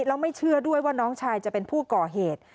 แล้วไม่เชื่อด้วยว่าน้องชายจะเป็นผู้ก่อเหตุ